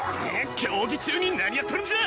競技中に何やっとるんじゃ！